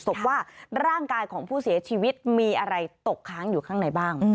พบว่าร่างกายของผู้เสียชีวิตมีอะไรตกค้างอยู่ข้างในบ้าง